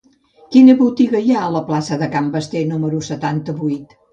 Quina botiga hi ha a la plaça de Can Basté número setanta-vuit?